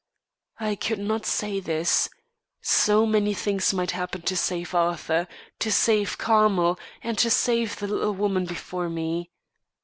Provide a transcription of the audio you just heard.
I could not say this. So many things might happen to save Arthur, to save Carmel, to save the little woman before me.